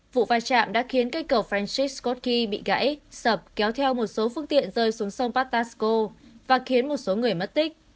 vụ vai trạm đã khiến cây cầu francis scott key bị gãy sập kéo theo một số phương tiện rơi xuống sông patasco và khiến một số người mất tích